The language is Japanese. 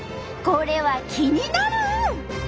これは気になる！